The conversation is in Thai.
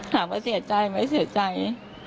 ถามว่าเสียใจมันไม่เสียใจ